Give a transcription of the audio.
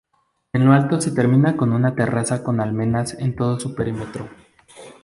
En lo alto se termina con una terraza con almenas en todo su perímetro.